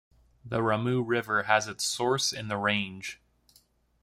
The Ramu River has its source in the range.